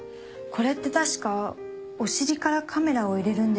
これって確かお尻からカメラを入れるんですよね？